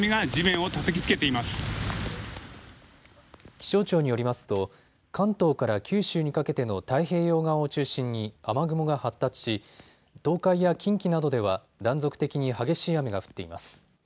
気象庁によりますと関東から九州にかけての太平洋側を中心に雨雲が発達し東海や近畿などでは断続的に激しい雨が降っています。